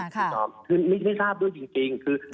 คือไม่ทราบด้วยจริงคือ